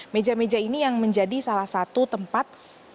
meja meja ini yang menjadi salah satu tempat